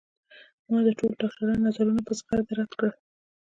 ما د ټولو ډاکترانو نظرونه په زغرده رد کړل